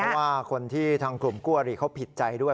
ว่าคนที่ทางกลุ่มคู่อริเขาผิดใจด้วย